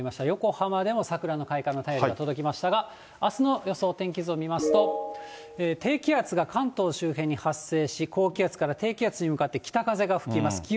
横浜でも桜の開花の便りが届きましたが、あすの予想天気図を見ますと、低気圧が関東周辺に発生し、高気圧から低気圧に向かって、北風が吹きます。